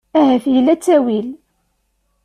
Ahat yella ttawil.